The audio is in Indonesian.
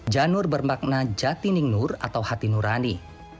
janur bermakna jatining nur atau hati nurani